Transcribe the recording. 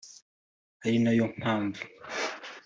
ari nayo mpamvu